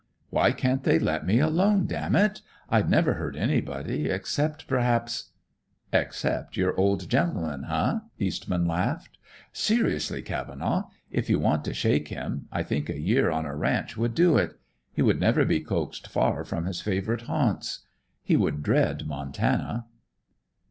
Why can't they let me alone, damn it! I'd never hurt anybody, except, perhaps " "Except your old gentleman, eh?" Eastman laughed. "Seriously, Cavenaugh, if you want to shake him, I think a year on a ranch would do it. He would never be coaxed far from his favorite haunts. He would dread Montana."